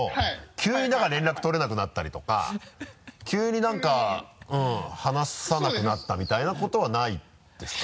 急に何か連絡取れなくなったりとか急に何か話さなくなったみたいなことはないですか？